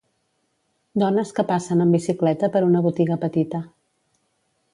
Dones que passen amb bicicleta per una botiga petita.